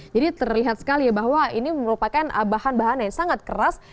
jadi terlihat sekali ya bahwa ini merupakan bahan bahan yang sangat keras